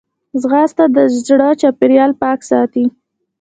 ځغاسته د زړه چاپېریال پاک ساتي